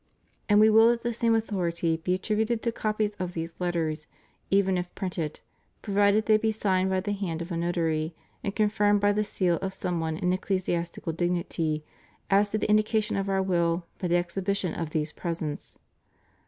And We will that the same authority be attributed to copies of these Letters, even if printed, provided they be signed by the hand of a notary, and confirmed by the seal of some one in ecclesiastical dignity, as to the indication of Our will by the exhibition of these presents.